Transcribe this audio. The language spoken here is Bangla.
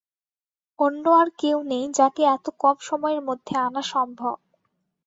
অন্য আর কেউ নেই যাকে এত কম সময়ের মধ্যে আনা সম্ভব।